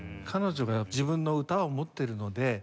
彼女が自分の歌を持ってるので。